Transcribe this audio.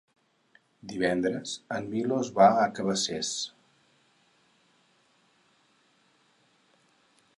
Divendres en Milos va a Cabacés.